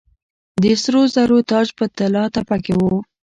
د سرو زرو تاج په طلا تپه کې و